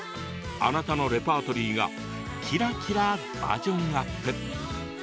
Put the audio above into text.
あなたのレパートリーがキラキラバージョンアップ。